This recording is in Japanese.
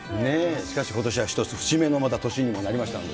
しかしことしは一つ節目のまた年にもなりましたので。